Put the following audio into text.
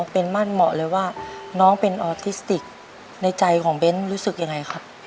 เป็นมั่นเหมาะเลยว่าน้องเป็นออทิสติกในใจของเบ้นรู้สึกยังไงครับ